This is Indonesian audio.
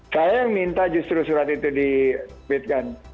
saya yang minta justru surat itu dibitkan